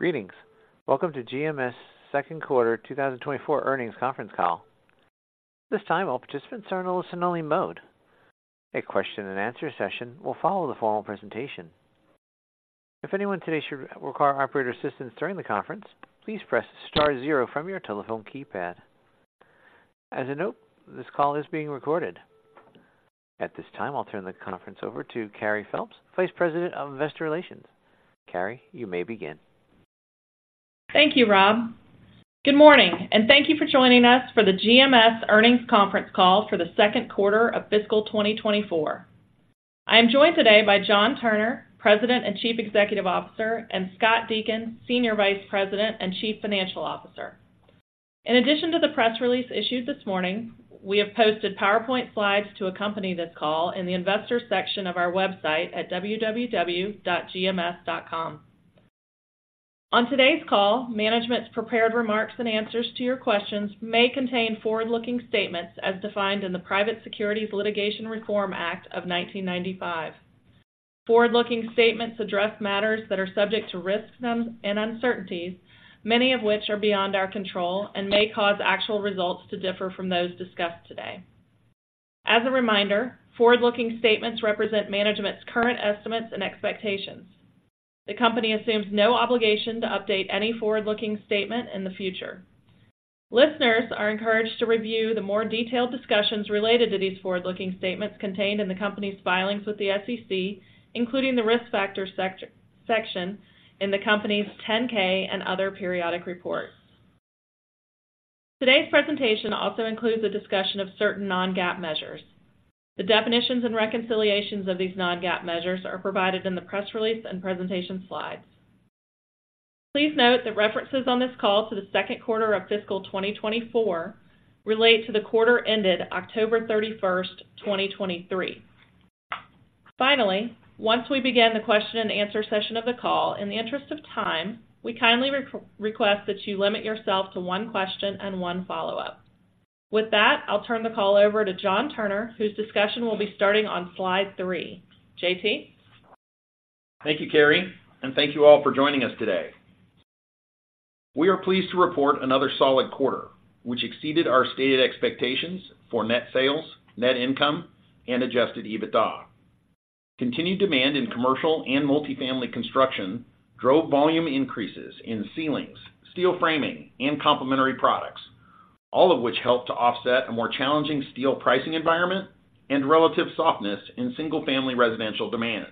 Greetings. Welcome to GMS's second quarter 2024 earnings conference call. This time, all participants are in a listen-only mode. A question-and-answer session will follow the formal presentation. If anyone today should require operator assistance during the conference, please press star zero from your telephone keypad. As a note, this call is being recorded. At this time, I'll turn the conference over to Carey Phelps, Vice President of Investor Relations. Carey, you may begin. Thank you, Rob. Good morning, and thank you for joining us for the GMS Earnings Conference Call for the second quarter of fiscal 2024. I am joined today by John Turner, President and Chief Executive Officer, and Scott Deakin, Senior Vice President and Chief Financial Officer. In addition to the press release issued this morning, we have posted PowerPoint slides to accompany this call in the investor section of our website at www.gms.com. On today's call, management's prepared remarks and answers to your questions may contain forward-looking statements as defined in the Private Securities Litigation Reform Act of 1995. Forward-looking statements address matters that are subject to risks and uncertainties, many of which are beyond our control and may cause actual results to differ from those discussed today. As a reminder, forward-looking statements represent management's current estimates and expectations. The company assumes no obligation to update any forward-looking statement in the future. Listeners are encouraged to review the more detailed discussions related to these forward-looking statements contained in the company's filings with the SEC, including the Risk Factors section in the company's 10-K and other periodic reports. Today's presentation also includes a discussion of certain non-GAAP measures. The definitions and reconciliations of these non-GAAP measures are provided in the press release and presentation slides. Please note that references on this call to the second quarter of fiscal 2024 relate to the quarter ended October 31, 2023. Finally, once we begin the question and answer session of the call, in the interest of time, we kindly request that you limit yourself to one question and one follow-up. With that, I'll turn the call over to John Turner, whose discussion will be starting on slide three. JT? Thank you, Carey, and thank you all for joining us today. We are pleased to report another solid quarter, which exceeded our stated expectations for net sales, net income, and Adjusted EBITDA. Continued demand in commercial and multifamily construction drove volume increases in ceilings, steel framing, and complementary products, all of which helped to offset a more challenging steel pricing environment and relative softness in single-family residential demand.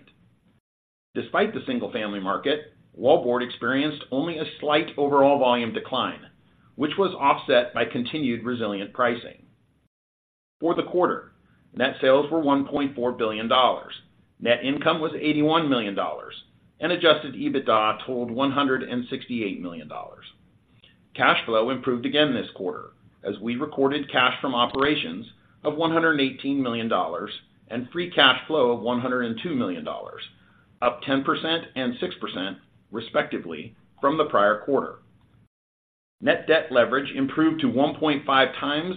Despite the single-family market, wallboard experienced only a slight overall volume decline, which was offset by continued resilient pricing. For the quarter, net sales were $1.4 billion, net income was $81 million, and Adjusted EBITDA totaled $168 million. Cash flow improved again this quarter as we recorded cash from operations of $118 million and free cash flow of $102 million, up 10% and 6%, respectively, from the prior quarter. Net debt leverage improved to 1.5x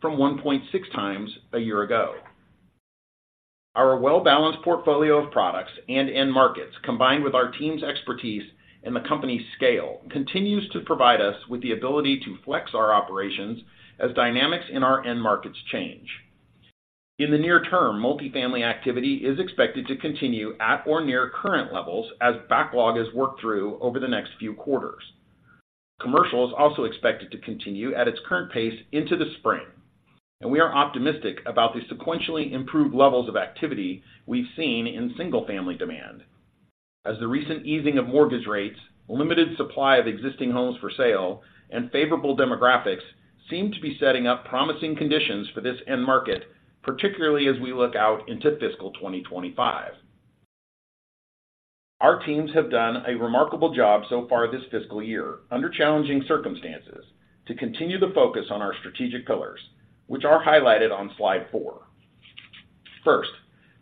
from 1.6x a year ago. Our well-balanced portfolio of products and end markets, combined with our team's expertise and the company's scale, continues to provide us with the ability to flex our operations as dynamics in our end markets change. In the near term, multifamily activity is expected to continue at or near current levels as backlog is worked through over the next few quarters. Commercial is also expected to continue at its current pace into the spring, and we are optimistic about the sequentially improved levels of activity we've seen in single-family demand, as the recent easing of mortgage rates, limited supply of existing homes for sale, and favorable demographics seem to be setting up promising conditions for this end market, particularly as we look out into fiscal 2025. Our teams have done a remarkable job so far this fiscal year under challenging circumstances, to continue the focus on our strategic pillars, which are highlighted on Slide four. First,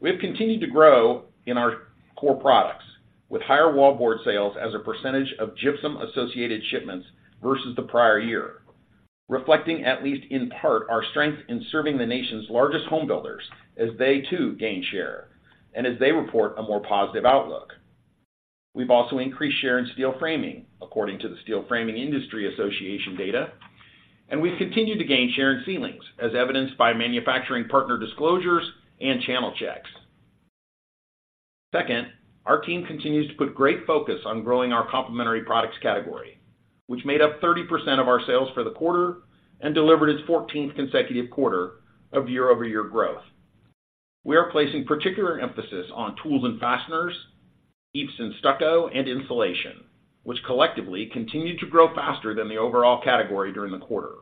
we have continued to grow in our core products with higher wallboard sales as a percentage of gypsum-associated shipments versus the prior year, reflecting, at least in part, our strength in serving the nation's largest home builders as they too gain share and as they report a more positive outlook. We've also increased share in steel framing, according to the Steel Framing Industry Association data, and we've continued to gain share in ceilings, as evidenced by manufacturing partner disclosures and channel checks. Second, our team continues to put great focus on growing our complementary products category, which made up 30% of our sales for the quarter and delivered its 14th consecutive quarter of year-over-year growth. We are placing particular emphasis on tools and fasteners, EIFS and stucco, and insulation, which collectively continued to grow faster than the overall category during the quarter.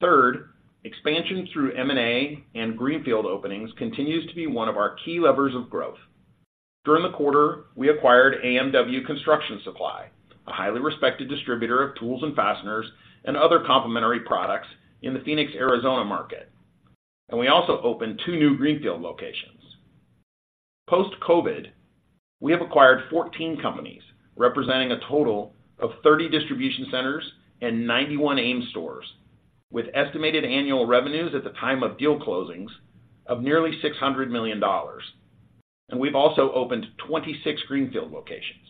Third, expansion through M&A and greenfield openings continues to be one of our key levers of growth. During the quarter, we acquired AMW Construction Supply, a highly respected distributor of tools and fasteners and other complementary products in the Phoenix, Arizona market, and we also opened 2 new greenfield locations. Post-COVID, we have acquired 14 companies, representing a total of 30 distribution centers and 91 Ames stores... with estimated annual revenues at the time of deal closings of nearly $600 million, and we've also opened 26 greenfield locations.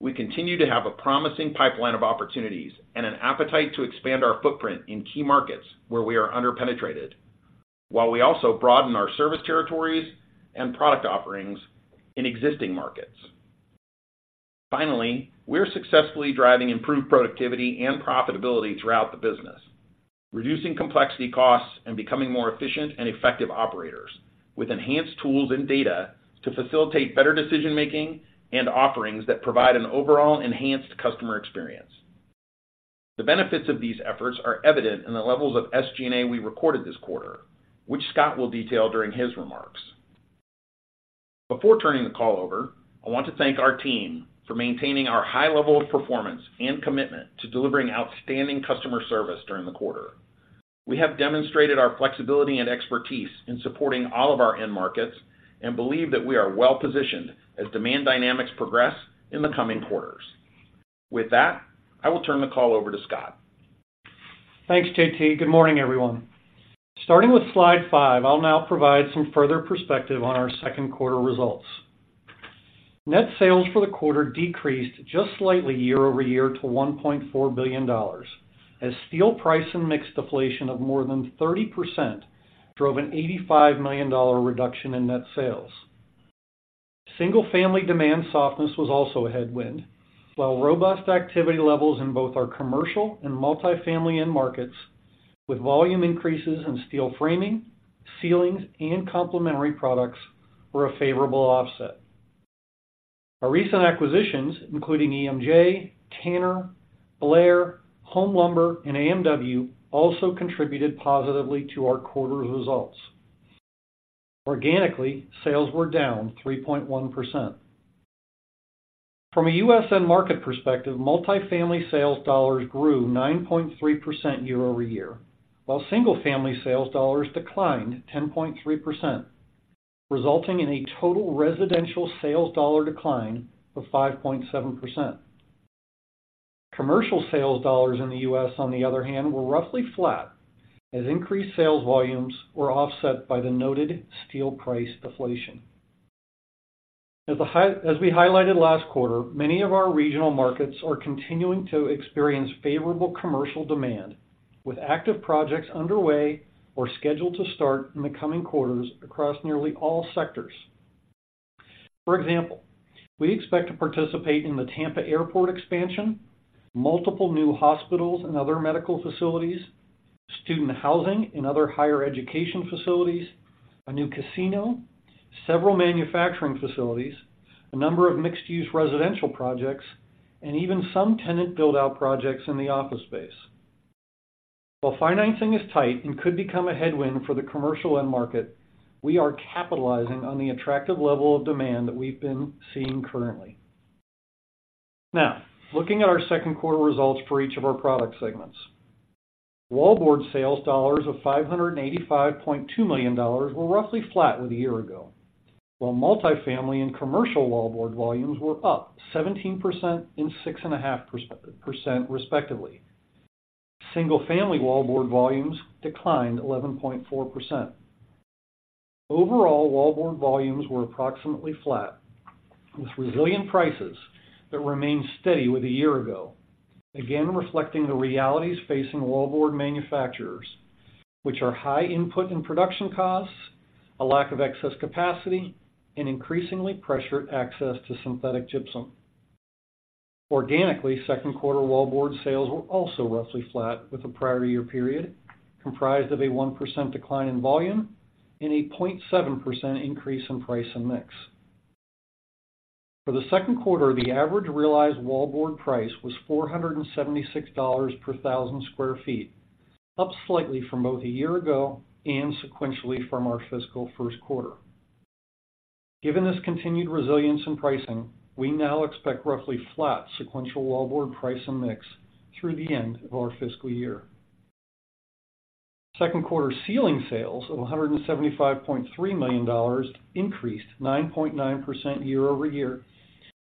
We continue to have a promising pipeline of opportunities and an appetite to expand our footprint in key markets where we are under-penetrated, while we also broaden our service territories and product offerings in existing markets. Finally, we're successfully driving improved productivity and profitability throughout the business, reducing complexity costs and becoming more efficient and effective operators, with enhanced tools and data to facilitate better decision-making and offerings that provide an overall enhanced customer experience. The benefits of these efforts are evident in the levels of SG&A we recorded this quarter, which Scott will detail during his remarks. Before turning the call over, I want to thank our team for maintaining our high level of performance and commitment to delivering outstanding customer service during the quarter. We have demonstrated our flexibility and expertise in supporting all of our end markets and believe that we are well-positioned as demand dynamics progress in the coming quarters. With that, I will turn the call over to Scott. Thanks, JT. Good morning, everyone. Starting with slide five, I'll now provide some further perspective on our second quarter results. Net sales for the quarter decreased just slightly year-over-year to $1.4 billion, as steel price and mixed deflation of more than 30% drove an $85 million reduction in net sales. Single family demand softness was also a headwind, while robust activity levels in both our commercial and multifamily end markets, with volume increases in steel framing, ceilings, and complementary products, were a favorable offset. Our recent acquisitions, including EMJ, Tanner, Blair, Home Lumber, and AMW, also contributed positively to our quarter results. Organically, sales were down 3.1%. From a U.S. end market perspective, multifamily sales dollars grew 9.3% year-over-year, while single family sales dollars declined 10.3%, resulting in a total residential sales dollar decline of 5.7%. Commercial sales dollars in the U.S., on the other hand, were roughly flat, as increased sales volumes were offset by the noted steel price deflation. As we highlighted last quarter, many of our regional markets are continuing to experience favorable commercial demand, with active projects underway or scheduled to start in the coming quarters across nearly all sectors. For example, we expect to participate in the Tampa Airport expansion, multiple new hospitals and other medical facilities, student housing and other higher education facilities, a new casino, several manufacturing facilities, a number of mixed-use residential projects, and even some tenant build-out projects in the office space. While financing is tight and could become a headwind for the commercial end market, we are capitalizing on the attractive level of demand that we've been seeing currently. Now, looking at our second quarter results for each of our product segments. Wallboard sales dollars of $585.2 million were roughly flat with a year ago, while multifamily and commercial wallboard volumes were up 17% and 6.5%, respectively. Single-family wallboard volumes declined 11.4%. Overall, wallboard volumes were approximately flat, with resilient prices that remained steady with a year ago, again, reflecting the realities facing wallboard manufacturers, which are high input and production costs, a lack of excess capacity, and increasingly pressured access to synthetic gypsum. Organically, second quarter wallboard sales were also roughly flat, with a prior year period comprised of a 1% decline in volume and a 0.7% increase in price and mix. For the second quarter, the average realized wallboard price was $476 per thousand sq ft, up slightly from both a year ago and sequentially from our fiscal first quarter. Given this continued resilience in pricing, we now expect roughly flat sequential wallboard price and mix through the end of our fiscal year. Second quarter ceiling sales of $175.3 million increased 9.9% year-over-year,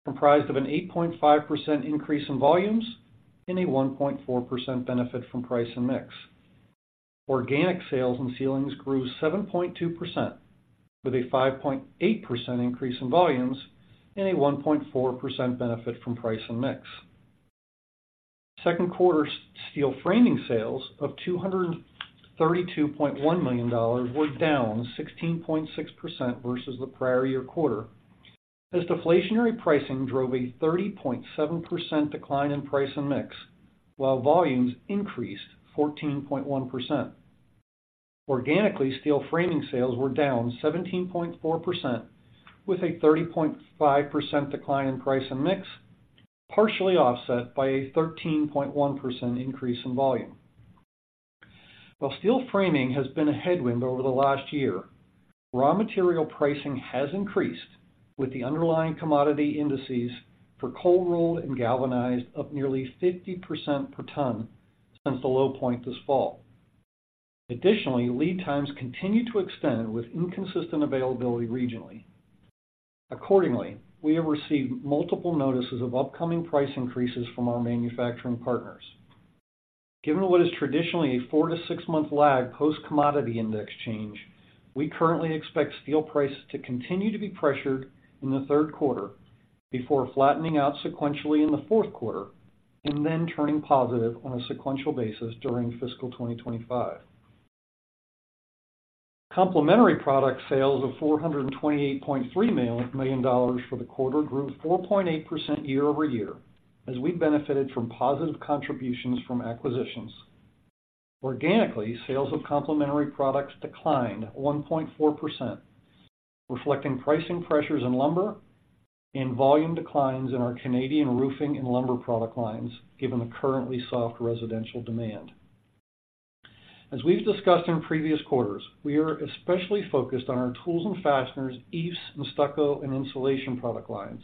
comprised of an 8.5% increase in volumes and a 1.4% benefit from price and mix. Organic sales and ceilings grew 7.2%, with a 5.8% increase in volumes and a 1.4% benefit from price and mix. Second quarter steel framing sales of $232.1 million were down 16.6% versus the prior year quarter, as deflationary pricing drove a 30.7% decline in price and mix, while volumes increased 14.1%. Organically, steel framing sales were down 17.4%, with a 30.5% decline in price and mix, partially offset by a 13.1% increase in volume. While steel framing has been a headwind over the last year, raw material pricing has increased, with the underlying commodity indices for cold rolled and galvanized up nearly 50% per ton since the low point this fall. Additionally, lead times continue to extend with inconsistent availability regionally. Accordingly, we have received multiple notices of upcoming price increases from our manufacturing partners. Given what is traditionally a four to six month lag post-commodity index change, we currently expect steel prices to continue to be pressured in the third quarter before flattening out sequentially in the fourth quarter, and then turning positive on a sequential basis during fiscal 2025. Complementary product sales of $428.3 million for the quarter grew 4.8% year-over-year, as we benefited from positive contributions from acquisitions. Organically, sales of complementary products declined 1.4%, reflecting pricing pressures in lumber and volume declines in our Canadian roofing and lumber product lines, given the currently soft residential demand. As we've discussed in previous quarters, we are especially focused on our tools and fasteners, EIFS, and stucco, and insulation product lines,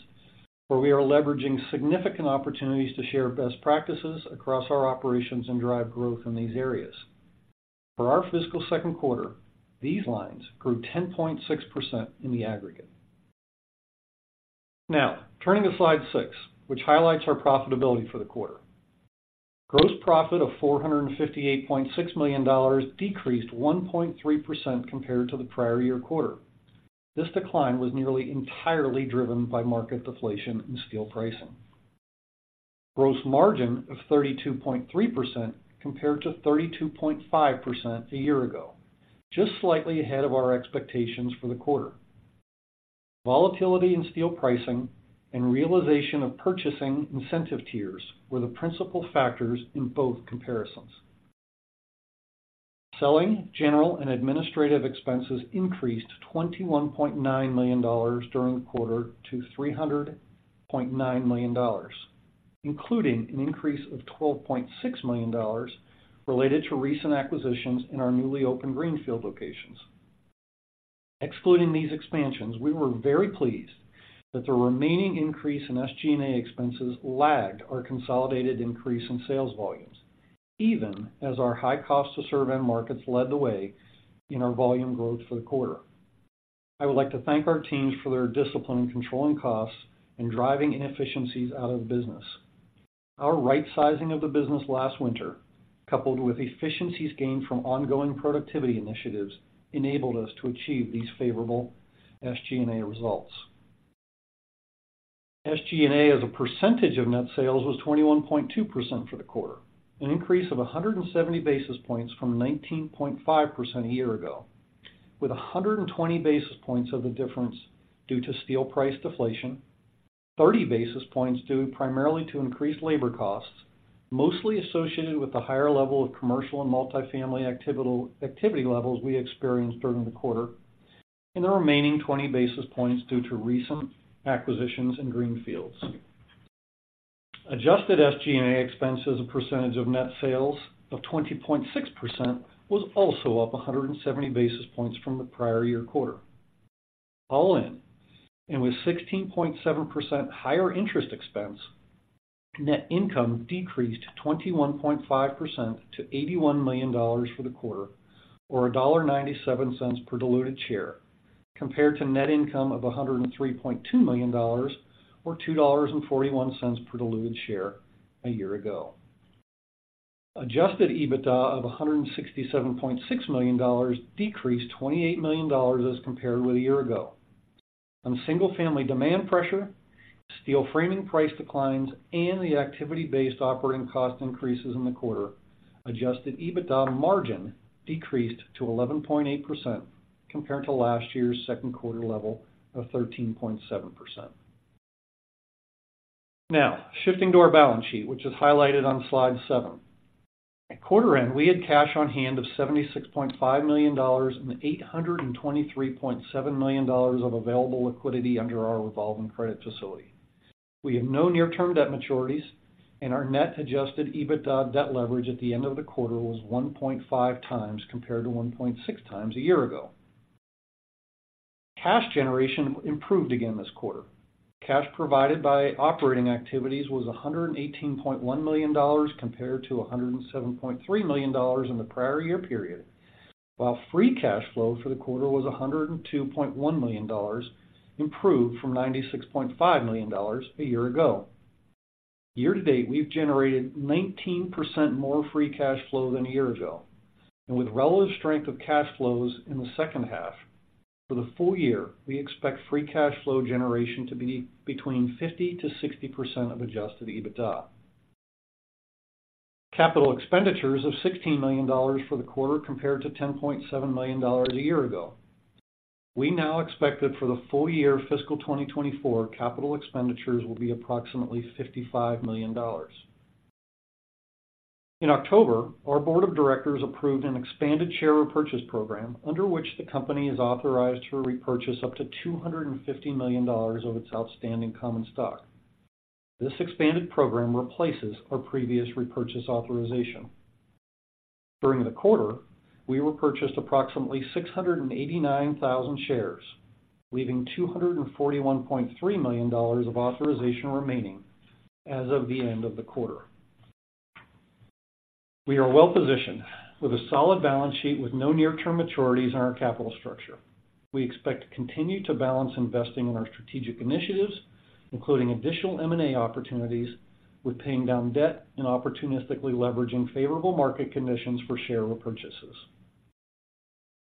where we are leveraging significant opportunities to share best practices across our operations and drive growth in these areas. For our fiscal second quarter, these lines grew 10.6% in the aggregate. Now, turning to Slide six, which highlights our profitability for the quarter. Gross profit of $458.6 million decreased 1.3% compared to the prior year quarter. This decline was nearly entirely driven by market deflation in steel pricing. Gross margin of 32.3% compared to 32.5% a year ago, just slightly ahead of our expectations for the quarter. Volatility in steel pricing and realization of purchasing incentive tiers were the principal factors in both comparisons. Selling, general, and administrative expenses increased $21.9 million during the quarter to $300.9 million, including an increase of $12.6 million related to recent acquisitions in our newly opened greenfield locations. Excluding these expansions, we were very pleased that the remaining increase in SG&A expenses lagged our consolidated increase in sales volumes, even as our high cost to serve end markets led the way in our volume growth for the quarter. I would like to thank our teams for their discipline in controlling costs and driving inefficiencies out of the business. Our right sizing of the business last winter, coupled with efficiencies gained from ongoing productivity initiatives, enabled us to achieve these favorable SG&A results. SG&A, as a percentage of net sales, was 21.2% for the quarter, an increase of 170 basis points from 19.5% a year ago, with 120 basis points of the difference due to steel price deflation. 30 basis points due primarily to increased labor costs, mostly associated with the higher level of commercial and multifamily activity levels we experienced during the quarter, and the remaining 20 basis points due to recent acquisitions in greenfields. Adjusted SG&A expense as a percentage of net sales of 20.6% was also up 170 basis points from the prior year quarter. All in, and with 16.7% higher interest expense, net income decreased 21.5% to $81 million for the quarter, or $1.97 per diluted share, compared to net income of $103.2 million or $2.41 per diluted share a year ago. Adjusted EBITDA of $167.6 million decreased $28 million as compared with a year ago. On single-family demand pressure, steel framing price declines, and the activity-based operating cost increases in the quarter, adjusted EBITDA margin decreased to 11.8% compared to last year's second quarter level of 13.7%. Now, shifting to our balance sheet, which is highlighted on Slide seven. At quarter end, we had cash on hand of $76.5 million and $823.7 million of available liquidity under our revolving credit facility. We have no near-term debt maturities, and our net adjusted EBITDA debt leverage at the end of the quarter was 1.5x, compared to 1.6x a year ago. Cash generation improved again this quarter. Cash provided by operating activities was $118.1 million, compared to $107.3 million in the prior year period, while free cash flow for the quarter was $102.1 million, improved from $96.5 million a year ago. Year to date, we've generated 19% more free cash flow than a year ago. With relative strength of cash flows in the second half, for the full year, we expect free cash flow generation to be between 50%-60% of Adjusted EBITDA. Capital expenditures of $16 million for the quarter, compared to $10.7 million a year ago. We now expect that for the full year fiscal 2024, capital expenditures will be approximately $55 million. In October, our board of directors approved an expanded share repurchase program, under which the company is authorized to repurchase up to $250 million of its outstanding common stock. This expanded program replaces our previous repurchase authorization. During the quarter, we repurchased approximately 689,000 shares, leaving $241.3 million of authorization remaining, as of the end of the quarter. We are well-positioned, with a solid balance sheet with no near-term maturities in our capital structure. We expect to continue to balance investing in our strategic initiatives, including additional M&A opportunities, with paying down debt and opportunistically leveraging favorable market conditions for share repurchases.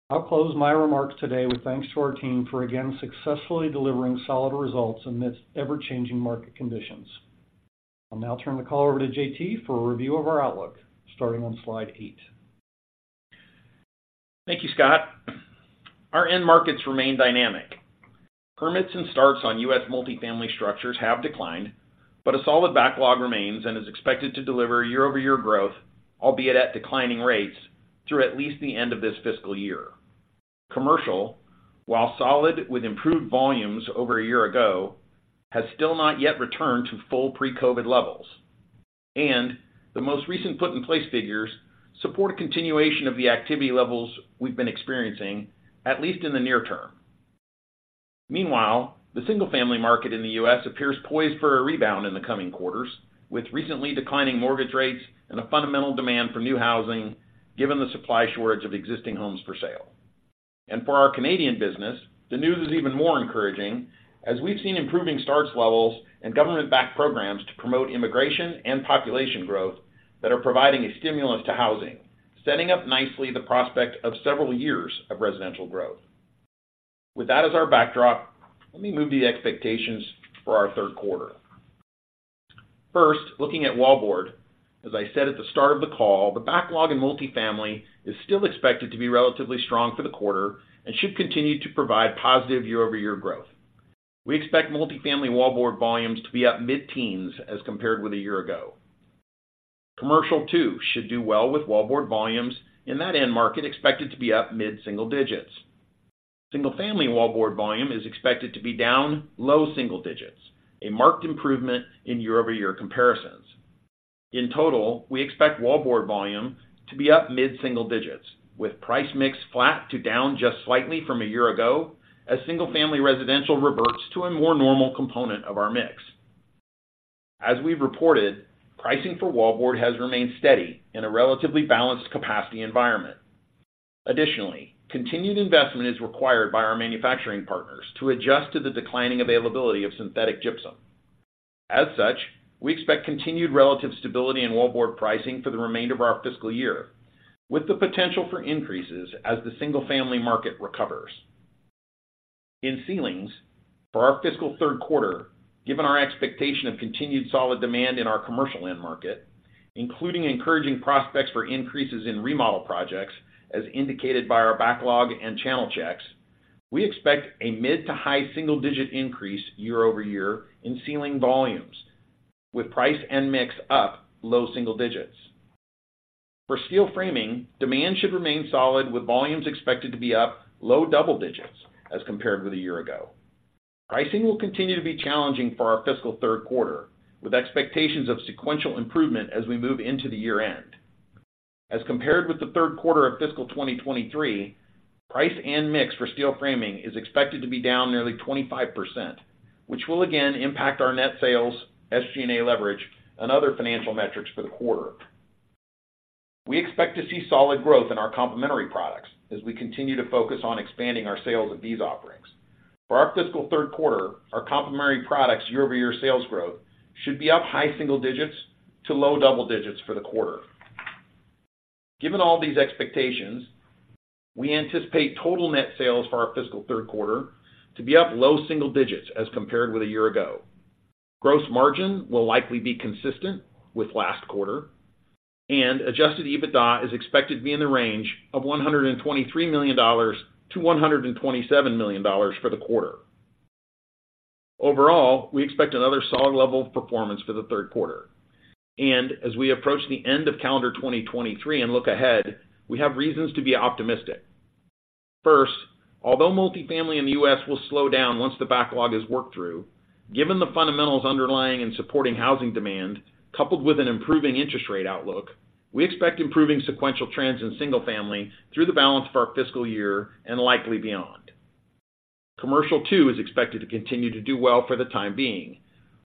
I'll close my remarks today with thanks to our team for again successfully delivering solid results amidst ever-changing market conditions. I'll now turn the call over to JT for a review of our outlook, starting on slide eight. Thank you, Scott. Our end markets remain dynamic. Permits and starts on U.S. multifamily structures have declined, but a solid backlog remains and is expected to deliver year-over-year growth, albeit at declining rates, through at least the end of this fiscal year. Commercial, while solid with improved volumes over a year ago, has still not yet returned to full pre-COVID levels, and the most recent put-in-place figures support a continuation of the activity levels we've been experiencing, at least in the near term. Meanwhile, the single-family market in the U.S. appears poised for a rebound in the coming quarters, with recently declining mortgage rates and a fundamental demand for new housing, given the supply shortage of existing homes for sale. For our Canadian business, the news is even more encouraging, as we've seen improving starts levels and government-backed programs to promote immigration and population growth that are providing a stimulus to housing, setting up nicely the prospect of several years of residential growth. With that as our backdrop, let me move to the expectations for our third quarter. First, looking at wallboard, as I said at the start of the call, the backlog in multifamily is still expected to be relatively strong for the quarter and should continue to provide positive year-over-year growth. We expect multifamily wallboard volumes to be up mid-teens as compared with a year ago. Commercial, too, should do well, with wallboard volumes in that end market expected to be up mid-single digits. Single family wallboard volume is expected to be down low single digits, a marked improvement in year-over-year comparisons. In total, we expect wallboard volume to be up mid-single digits, with price mix flat to down just slightly from a year ago, as single-family residential reverts to a more normal component of our mix. As we've reported, pricing for wallboard has remained steady in a relatively balanced capacity environment. Additionally, continued investment is required by our manufacturing partners to adjust to the declining availability of synthetic gypsum. As such, we expect continued relative stability in wallboard pricing for the remainder of our fiscal year, with the potential for increases as the single-family market recovers. In ceilings, for our fiscal third quarter, given our expectation of continued solid demand in our commercial end market, including encouraging prospects for increases in remodel projects, as indicated by our backlog and channel checks, we expect a mid- to high single-digit increase year-over-year in ceiling volumes, with price and mix up low single digits. For steel framing, demand should remain solid, with volumes expected to be up low double digits as compared with a year ago. Pricing will continue to be challenging for our fiscal third quarter, with expectations of sequential improvement as we move into the year-end. As compared with the third quarter of fiscal 2023, price and mix for steel framing is expected to be down nearly 25%, which will again impact our net sales, SG&A leverage, and other financial metrics for the quarter. We expect to see solid growth in our complementary products as we continue to focus on expanding our sales of these offerings. For our fiscal third quarter, our complementary products year-over-year sales growth should be up high single digits to low double digits for the quarter. Given all these expectations, we anticipate total net sales for our fiscal third quarter to be up low single digits as compared with a year ago. Gross margin will likely be consistent with last quarter, and Adjusted EBITDA is expected to be in the range of $123 million-$127 million for the quarter. Overall, we expect another solid level of performance for the third quarter, and as we approach the end of calendar 2023 and look ahead, we have reasons to be optimistic. First, although multifamily in the U.S. will slow down once the backlog is worked through, given the fundamentals underlying and supporting housing demand, coupled with an improving interest rate outlook, we expect improving sequential trends in single family through the balance of our fiscal year and likely beyond. Commercial, too, is expected to continue to do well for the time being.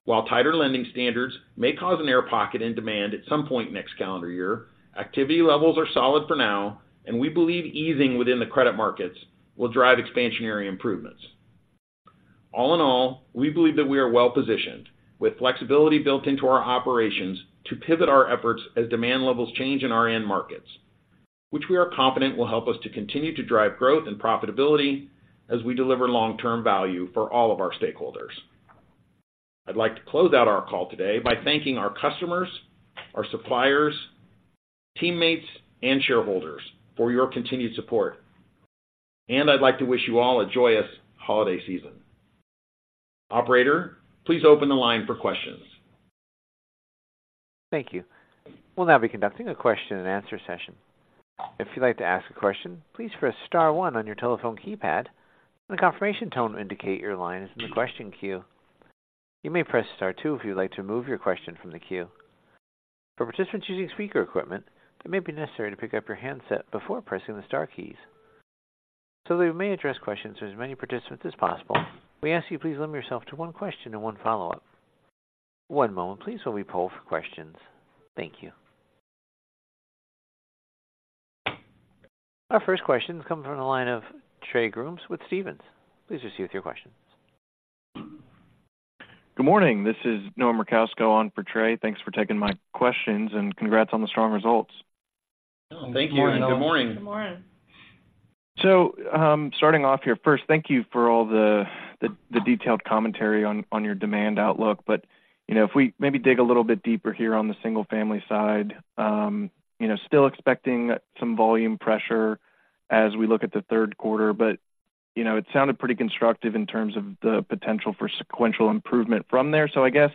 While tighter lending standards may cause an air pocket in demand at some point next calendar year, activity levels are solid for now, and we believe easing within the credit markets will drive expansionary improvements. All in all, we believe that we are well-positioned, with flexibility built into our operations to pivot our efforts as demand levels change in our end markets, which we are confident will help us to continue to drive growth and profitability as we deliver long-term value for all of our stakeholders. I'd like to close out our call today by thanking our customers, our suppliers, teammates, and shareholders for your continued support, and I'd like to wish you all a joyous holiday season. Operator, please open the line for questions. Thank you. We'll now be conducting a question and answer session. If you'd like to ask a question, please press star one on your telephone keypad, and a confirmation tone will indicate your line is in the question queue. You may press Star two if you'd like to remove your question from the queue. For participants using speaker equipment, it may be necessary to pick up your handset before pressing the star keys.... So that we may address questions to as many participants as possible, we ask you please limit yourself to one question and one follow-up. One moment, please, while we poll for questions. Thank you. Our first question comes from the line of Trey Grooms with Stephens. Please proceed with your question. Good morning. This is Noah Merkousko on for Trey. Thanks for taking my questions, and congrats on the strong results. Thank you, and good morning. Good morning. So, starting off here, first, thank you for all the detailed commentary on your demand outlook. But, you know, if we maybe dig a little bit deeper here on the single-family side, you know, still expecting some volume pressure as we look at the third quarter, but, you know, it sounded pretty constructive in terms of the potential for sequential improvement from there. So I guess,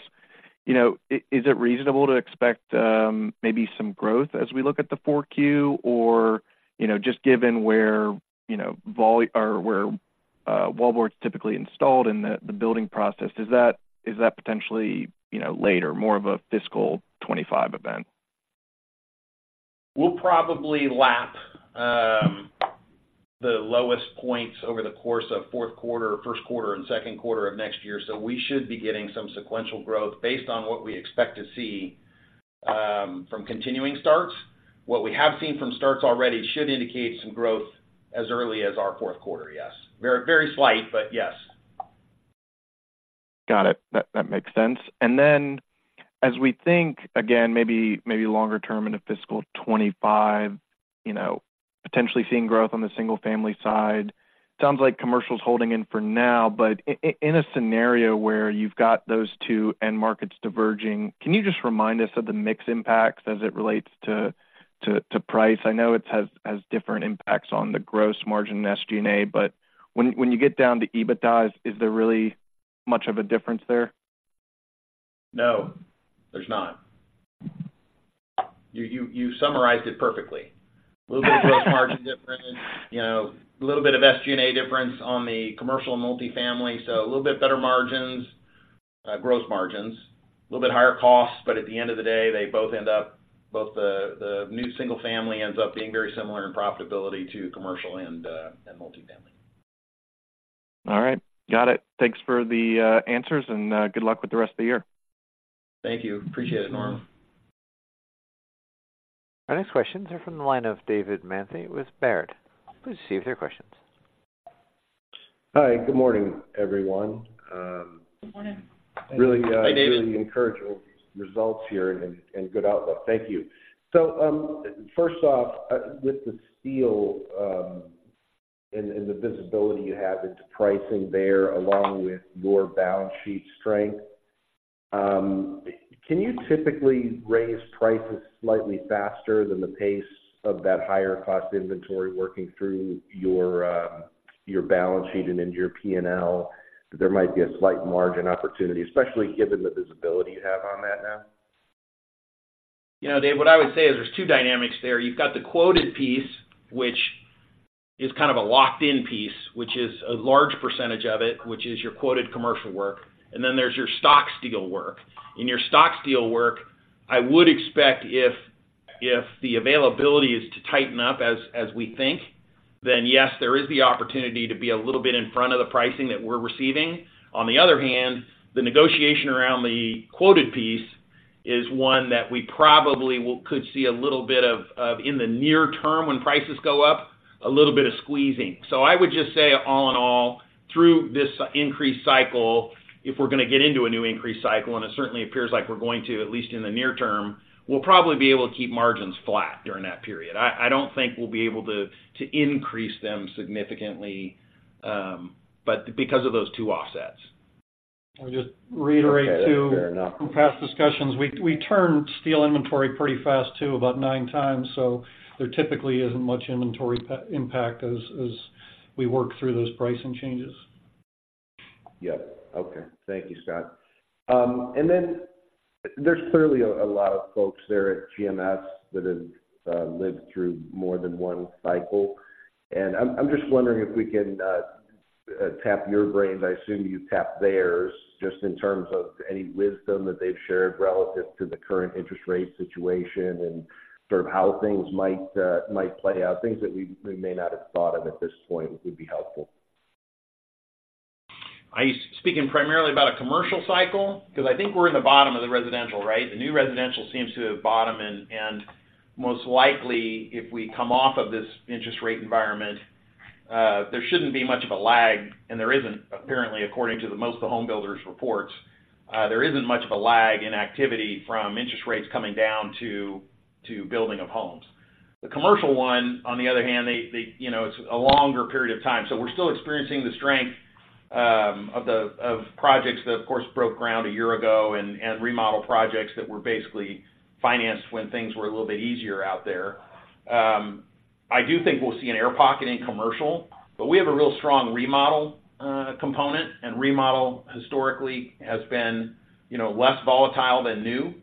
you know, is it reasonable to expect, maybe some growth as we look at Q4, or, you know, just given where wallboard is typically installed in the building process, is that potentially, you know, later, more of a fiscal 2025 event? We'll probably lap the lowest points over the course of fourth quarter, first quarter, and second quarter of next year, so we should be getting some sequential growth based on what we expect to see from continuing starts. What we have seen from starts already should indicate some growth as early as our fourth quarter, yes. Very, very slight, but yes. Got it. That makes sense. Then as we think, again, maybe longer term into fiscal 25, you know, potentially seeing growth on the single-family side, sounds like commercial is holding in for now, but in a scenario where you've got those two end markets diverging, can you just remind us of the mix impacts as it relates to price? I know it has different impacts on the gross margin and SG&A, but when you get down to EBITDA, is there really much of a difference there? No, there's not. You summarized it perfectly. A little bit of gross margin difference, you know, a little bit of SG&A difference on the commercial and multifamily, so a little bit better margins, gross margins, a little bit higher costs, but at the end of the day, they both end up, both the new single family ends up being very similar in profitability to commercial and multifamily. All right. Got it. Thanks for the answers, and good luck with the rest of the year. Thank you. Appreciate it, Noah. Our next questions are from the line of David Mantey with Baird. Please proceed with your questions. Hi, good morning, everyone. Good morning. Hi, David. Really, really encouraged with results here and good outlook. Thank you. So, first off, with the steel, and the visibility you have into pricing there, along with your balance sheet strength, can you typically raise prices slightly faster than the pace of that higher-cost inventory working through your balance sheet and into your P&L? There might be a slight margin opportunity, especially given the visibility you have on that now. You know, Dave, what I would say is there's two dynamics there. You've got the quoted piece, which is kind of a locked-in piece, which is a large percentage of it, which is your quoted commercial work, and then there's your stock steel work. In your stock steel work, I would expect if the availability is to tighten up as we think, then, yes, there is the opportunity to be a little bit in front of the pricing that we're receiving. On the other hand, the negotiation around the quoted piece is one that we probably could see a little bit of in the near term, when prices go up, a little bit of squeezing. So I would just say, all in all, through this increase cycle, if we're going to get into a new increase cycle, and it certainly appears like we're going to, at least in the near term, we'll probably be able to keep margins flat during that period. I don't think we'll be able to increase them significantly, but because of those two offsets. I'll just reiterate, too- Okay, fair enough. From past discussions, we turn steel inventory pretty fast, too, about 9x, so there typically isn't much inventory impact as we work through those pricing changes. Yep. Okay. Thank you, Scott. And then there's clearly a lot of folks there at GMS that have lived through more than one cycle. And I'm just wondering if we can tap your brains. I assume you tap theirs, just in terms of any wisdom that they've shared relative to the current interest rate situation and sort of how things might play out. Things that we may not have thought of at this point would be helpful. Are you speaking primarily about a commercial cycle? Because I think we're in the bottom of the residential, right? The new residential seems to have bottomed, and most likely, if we come off of this interest rate environment, there shouldn't be much of a lag, and there isn't, apparently, according to most of the homebuilders' reports. There isn't much of a lag in activity from interest rates coming down to building of homes. The commercial one, on the other hand, you know, it's a longer period of time. So we're still experiencing the strength of the projects that, of course, broke ground a year ago and remodel projects that were basically financed when things were a little bit easier out there. I do think we'll see an air pocket in commercial, but we have a real strong remodel component, and remodel historically has been, you know, less volatile than new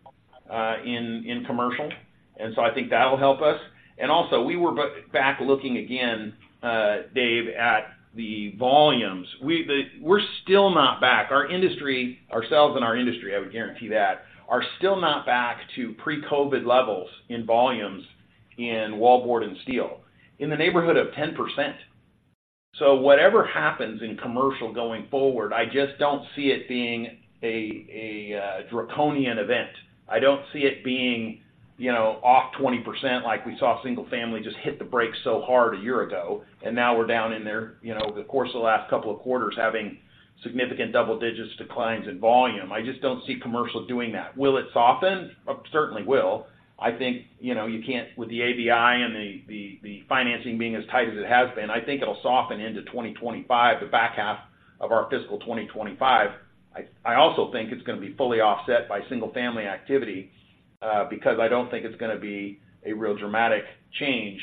in commercial. And so I think that'll help us. And also, we were back looking again, Dave, at the volumes. We're still not back. Our industry, ourselves and our industry, I would guarantee that, are still not back to pre-COVID levels in volumes in wallboard and steel. In the neighborhood of 10%. So whatever happens in commercial going forward, I just don't see it being a draconian event. I don't see it being, you know, off 20% like we saw single family just hit the brakes so hard a year ago, and now we're down in there, you know, over the course of the last couple of quarters, having significant double-digit declines in volume. I just don't see commercial doing that. Will it soften? Certainly will. I think, you know, you can't with the ABI and the financing being as tight as it has been. I think it'll soften into 2025, the back half of our fiscal 2025. I also think it's gonna be fully offset by single family activity, because I don't think it's gonna be a real dramatic change.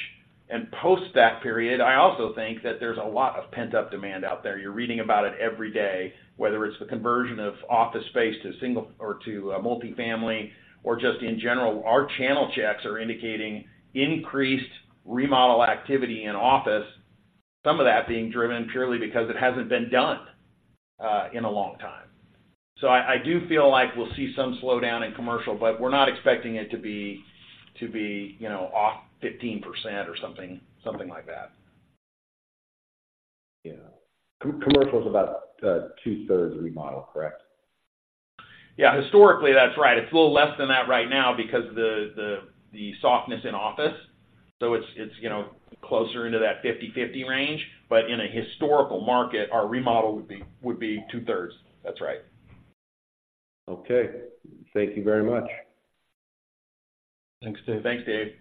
And post that period, I also think that there's a lot of pent-up demand out there. You're reading about it every day, whether it's the conversion of office space to single or to multifamily, or just in general, our channel checks are indicating increased remodel activity in office, some of that being driven purely because it hasn't been done in a long time. So I, I do feel like we'll see some slowdown in commercial, but we're not expecting it to be, to be, you know, off 15% or something, something like that. Yeah. Commercial is about 2/3 remodel, correct? Yeah, historically, that's right. It's a little less than that right now because of the softness in office, so it's, you know, closer into that 50/50 range, but in a historical market, our remodel would be two-thirds. That's right. Okay. Thank you very much. Thanks, Dave. Thanks, Dave.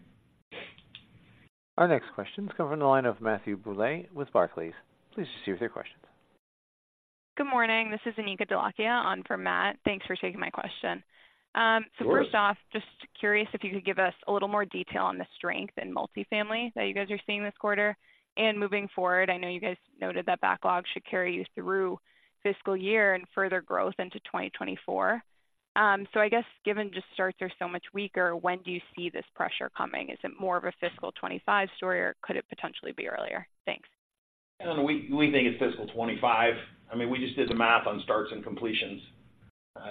Our next question comes from the line of Matthew Bouley with Barclays. Please proceed with your questions. Good morning, this is Anika Dholakia on for Matt. Thanks for taking my question. Sure. First off, just curious if you could give us a little more detail on the strength in multifamily that you guys are seeing this quarter. And moving forward, I know you guys noted that backlog should carry you through fiscal year and further growth into 2024. I guess given just starts are so much weaker, when do you see this pressure coming? Is it more of a fiscal 2025 story, or could it potentially be earlier? Thanks. No, we think it's fiscal 25. I mean, we just did the math on starts and completions.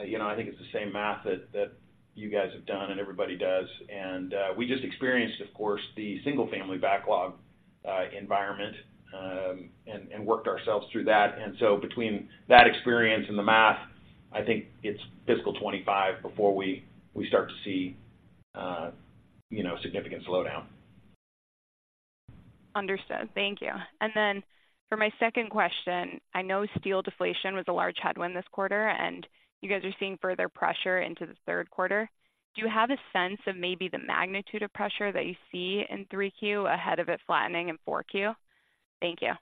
You know, I think it's the same math that you guys have done and everybody does. And we just experienced, of course, the single-family backlog environment and worked ourselves through that. And so between that experience and the math, I think it's fiscal 25 before we start to see you know, significant slowdown. Understood. Thank you. And then for my second question, I know steel deflation was a large headwind this quarter, and you guys are seeing further pressure into the third quarter. Do you have a sense of maybe the magnitude of pressure that you see in three Q ahead of it flattening in four Q? Thank you.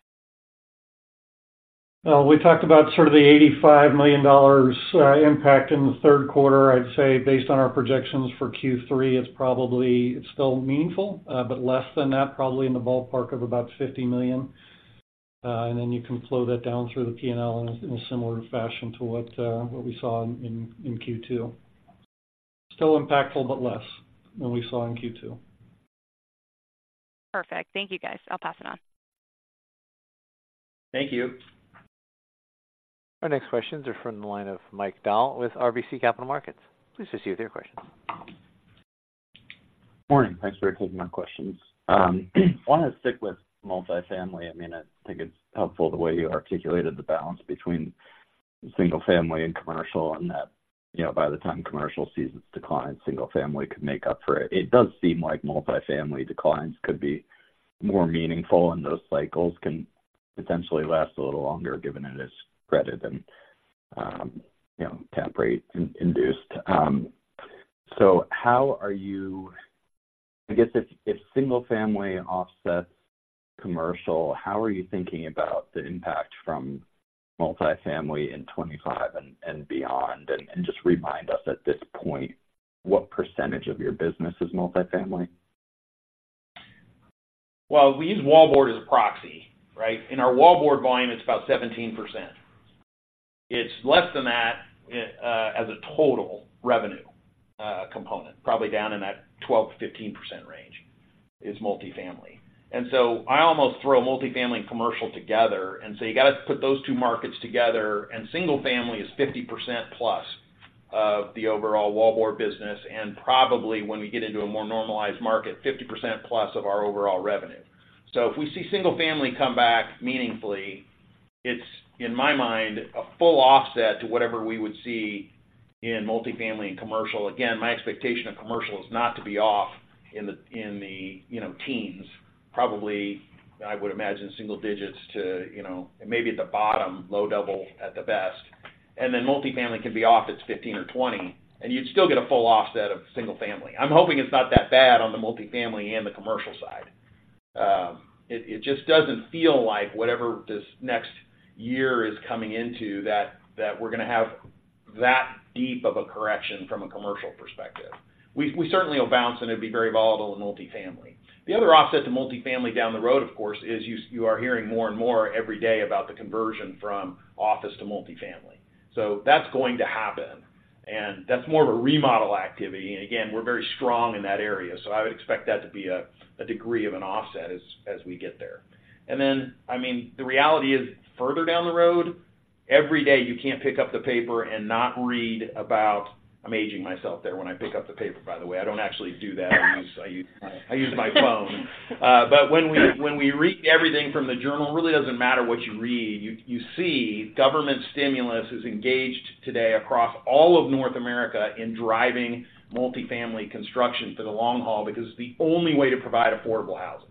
We talked about sort of the $85 million impact in the third quarter. I'd say based on our projections for Q3, it's probably still meaningful, but less than that, probably in the ballpark of about $50 million. And then you can flow that down through the P&L in a similar fashion to what we saw in Q2. Still impactful, but less than we saw in Q2. Perfect. Thank you, guys. I'll pass it on. Thank you. Our next questions are from the line of Mike Dahl with RBC Capital Markets. Please proceed with your questions. Morning. Thanks for taking my questions. I want to stick with multifamily. I mean, I think it's helpful the way you articulated the balance between single family and commercial, and that, you know, by the time commercial sees its decline, single family could make up for it. It does seem like multifamily declines could be more meaningful, and those cycles can potentially last a little longer, given it is credit and, you know, cap rate-induced. So how are you I guess, if single family offsets commercial, how are you thinking about the impact from multifamily in 2025 and beyond? And just remind us at this point, what percentage of your business is multifamily? Well, we use wallboard as a proxy, right? In our wallboard volume, it's about 17%. It's less than that as a total revenue component, probably down in that 12%-15% range is multifamily. And so I almost throw multifamily and commercial together, and so you got to put those two markets together, and single family is 50% plus of the overall wallboard business, and probably when we get into a more normalized market, 50% plus of our overall revenue. So if we see single family come back meaningfully, it's, in my mind, a full offset to whatever we would see in multifamily and commercial. Again, my expectation of commercial is not to be off in the, you know, teens. Probably, I would imagine single digits to, you know, maybe at the bottom, low double at the best. And then multifamily can be off by 15 or 20, and you'd still get a full offset of single family. I'm hoping it's not that bad on the multifamily and the commercial side. It just doesn't feel like whatever this next year is coming into, that we're gonna have that deep of a correction from a commercial perspective. We certainly will bounce, and it'd be very volatile in multifamily. The other offset to multifamily down the road, of course, is you are hearing more and more every day about the conversion from office to multifamily. So that's going to happen, and that's more of a remodel activity. And again, we're very strong in that area, so I would expect that to be a degree of an offset as we get there. And then, I mean, the reality is, further down the road-... Every day, you can't pick up the paper and not read about. I'm aging myself there when I pick up the paper, by the way, I don't actually do that. I use, I use my phone. But when we, when we read everything from the journal, it really doesn't matter what you read, you, you see government stimulus is engaged today across all of North America in driving multifamily construction for the long haul, because it's the only way to provide affordable housing.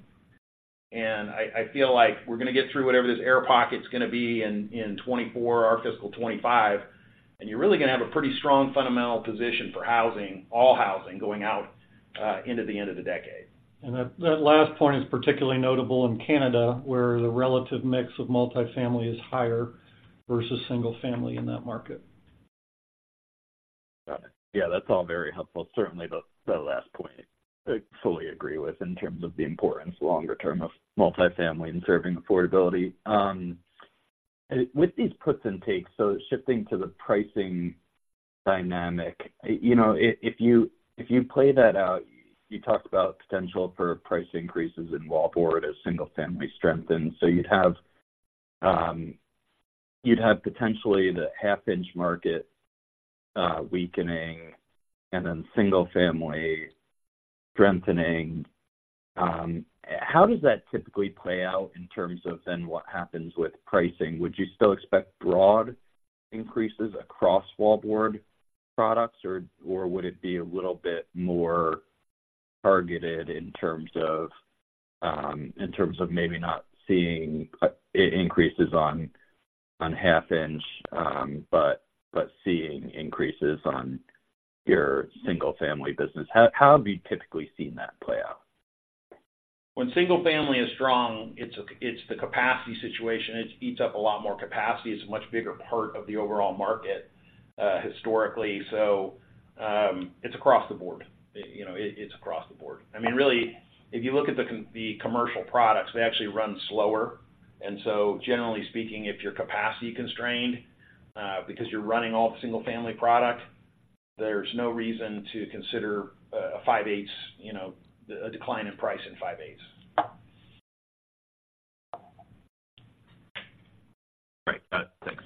And I, I feel like we're going to get through whatever this air pocket is going to be in, in 2024, our fiscal 2025, and you're really going to have a pretty strong fundamental position for housing, all housing, going out into the end of the decade. That last point is particularly notable in Canada, where the relative mix of multifamily is higher versus single family in that market. Got it. Yeah, that's all very helpful. Certainly, the last point I fully agree with in terms of the importance, longer term, of multifamily and serving affordability. With these puts and takes, so shifting to the pricing dynamic, you know, if you play that out, you talked about potential for price increases in wallboard as single-family strengthens. So you'd have potentially the half-inch market weakening and then single-family strengthening. How does that typically play out in terms of then what happens with pricing? Would you still expect broad increases across wallboard products, or would it be a little bit more targeted in terms of maybe not seeing increases on half-inch, but seeing increases on your single-family business? How have you typically seen that play out? When single family is strong, it's the capacity situation. It eats up a lot more capacity. It's a much bigger part of the overall market, historically. So, it's across the board. You know, it's across the board. I mean, really, if you look at the commercial products, they actually run slower. And so, generally speaking, if you're capacity constrained, because you're running all the single-family product, there's no reason to consider a five-eighths, you know, a decline in price in five-eighths. Great. Got it. Thanks.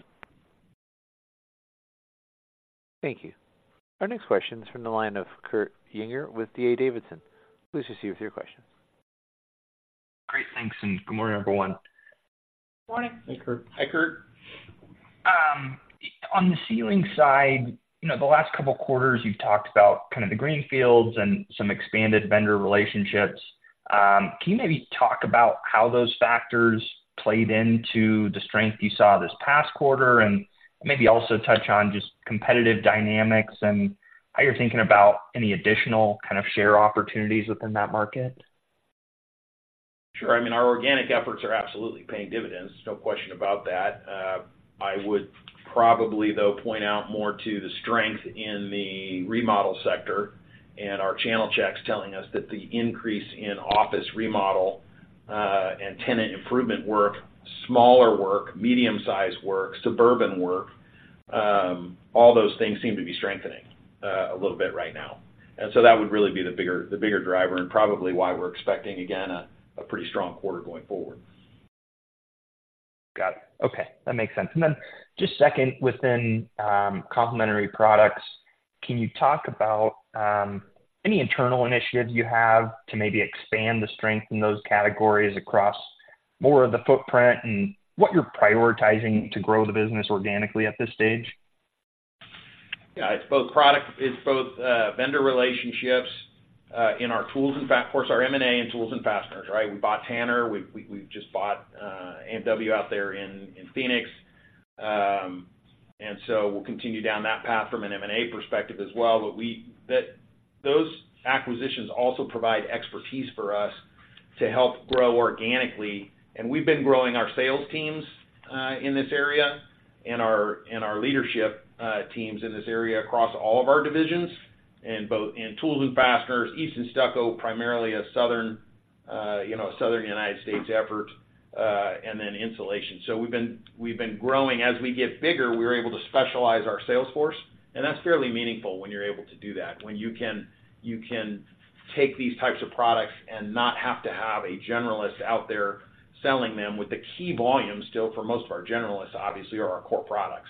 Thank you. Our next question is from the line of Kurt Yinger with D.A. Davidson. Please proceed with your question. Great, thanks, and good morning, everyone. Good morning. Hey, Kurt. Hi, Kurt. On the ceiling side, you know, the last couple of quarters, you've talked about kind of the greenfields and some expanded vendor relationships. Can you maybe talk about how those factors played into the strength you saw this past quarter? And maybe also touch on just competitive dynamics and how you're thinking about any additional kind of share opportunities within that market. Sure. I mean, our organic efforts are absolutely paying dividends, no question about that. I would probably, though, point out more to the strength in the remodel sector and our channel checks telling us that the increase in office remodel and tenant improvement work, smaller work, medium-sized work, suburban work, all those things seem to be strengthening a little bit right now. And so that would really be the bigger, the bigger driver and probably why we're expecting, again, a pretty strong quarter going forward. Got it. Okay, that makes sense. And then just second, within complementary products, can you talk about any internal initiatives you have to maybe expand the strength in those categories across more of the footprint and what you're prioritizing to grow the business organically at this stage? Yeah, it's both product, it's both, vendor relationships in our tools, in fact, of course, our M&A and tools and fasteners, right? We bought Tanner, we've just bought AMW out there in Phoenix. And so we'll continue down that path from an M&A perspective as well. But those acquisitions also provide expertise for us to help grow organically. And we've been growing our sales teams in this area and our leadership teams in this area across all of our divisions, in both tools and fasteners, east and stucco, primarily a southern, you know, Southern United States effort, and then insulation. So we've been growing. As we get bigger, we're able to specialize our sales force, and that's fairly meaningful when you're able to do that, when you can take these types of products and not have to have a generalist out there selling them with the key volume still, for most of our generalists, obviously, are our core products.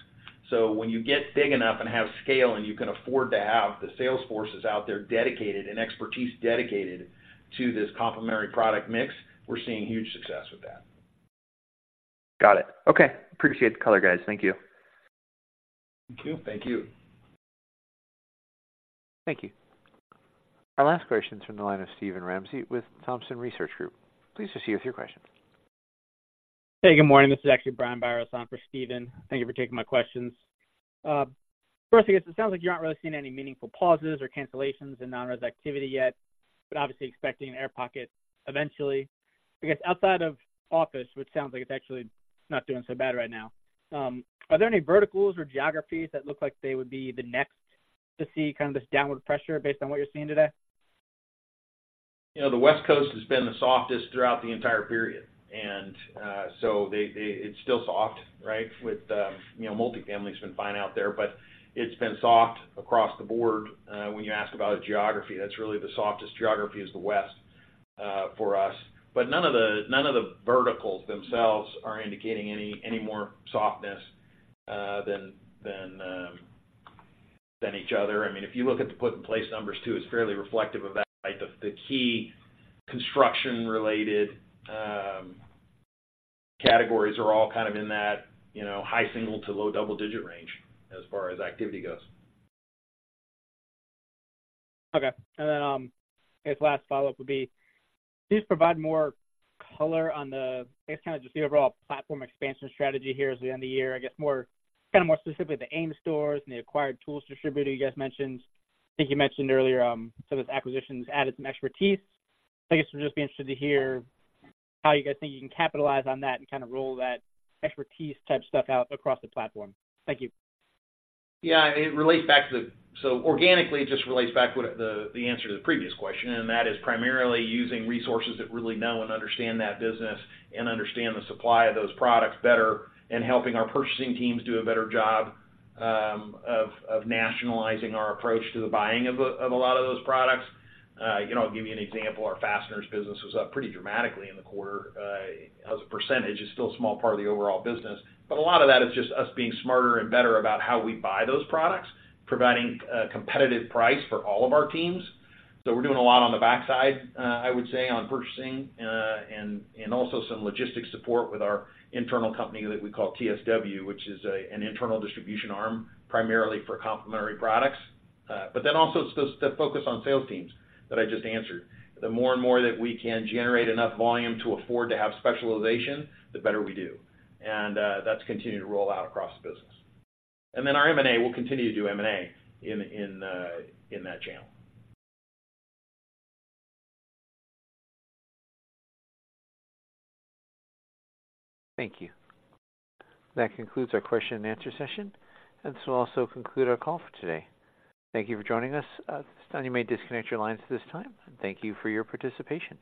So when you get big enough and have scale, and you can afford to have the sales forces out there dedicated, and expertise dedicated to this complementary product mix, we're seeing huge success with that. Got it. Okay. Appreciate the color, guys. Thank you. Thank you. Thank you. Thank you. Our last question is from the line of Steven Ramsey with Thompson Research Group. Please proceed with your question. Hey, good morning. This is actually Brian Biros on for Steven. Thank you for taking my questions. First, I guess it sounds like you're not really seeing any meaningful pauses or cancellations in non-res activity yet, but obviously expecting an air pocket eventually. I guess, outside of office, which sounds like it's actually not doing so bad right now, are there any verticals or geographies that look like they would be the next to see kind of this downward pressure based on what you're seeing today? You know, the West Coast has been the softest throughout the entire period, and so it's still soft, right? With, you know, multifamily has been fine out there, but it's been soft across the board. When you ask about geography, that's really the softest geography is the West for us. But none of the verticals themselves are indicating any more softness than each other. I mean, if you look at the Put-in-Place numbers, too, it's fairly reflective of that. The key construction-related categories are all kind of in that, you know, high single to low double-digit range as far as activity goes. Okay. And then, I guess last follow-up would be, please provide more color on the, I guess, kind of just the overall platform expansion strategy here as the end of the year, I guess, more kind of more specifically, the AMES stores and the acquired tools distributor you guys mentioned. I think you mentioned earlier, so this acquisition's added some expertise. I guess, I'd just be interested to hear how you guys think you can capitalize on that and kind of roll that expertise type stuff out across the platform. Thank you. Yeah, it relates back to the... So organically, it just relates back to what, the answer to the previous question, and that is primarily using resources that really know and understand that business and understand the supply of those products better, and helping our purchasing teams do a better job of nationalizing our approach to the buying of a lot of those products. You know, I'll give you an example. Our fasteners business was up pretty dramatically in the quarter. As a percentage, it's still a small part of the overall business, but a lot of that is just us being smarter and better about how we buy those products, providing a competitive price for all of our teams. So we're doing a lot on the buy side, I would say, on purchasing, and also some logistics support with our internal company that we call TSW, which is an internal distribution arm, primarily for complementary products. But then also the focus on sales teams that I just answered. The more and more that we can generate enough volume to afford to have specialization, the better we do. And that's continued to roll out across the business. And then our M&A, we'll continue to do M&A in that channel. Thank you. That concludes our question and answer session, and this will also conclude our call for today. Thank you for joining us. You may disconnect your lines at this time, and thank you for your participation.